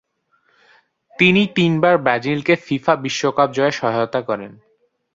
তিনি তিনবার ব্রাজিলকে ফিফা বিশ্বকাপ জয়ে সহায়তা করেন।